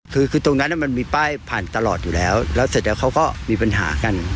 คือคือตรงนั้นมันมีป้ายผ่านตลอดอยู่แล้วแล้วเสร็จแล้วเขาก็มีปัญหากัน